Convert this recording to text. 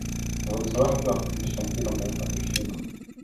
uwezo wake wa kufundisha mpira umempa heshima